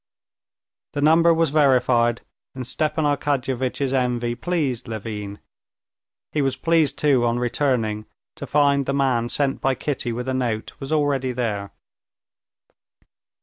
The number was verified, and Stepan Arkadyevitch's envy pleased Levin. He was pleased too on returning to find the man sent by Kitty with a note was already there.